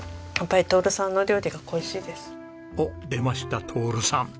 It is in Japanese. やっぱり。おっ出ました徹さん。